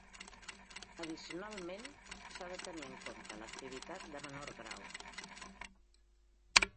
Addicionalment, s'ha de tenir en compte l'activitat de menor grau.